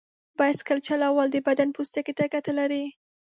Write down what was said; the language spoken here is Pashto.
بایسکل چلول د بدن پوستکي ته ګټه لري.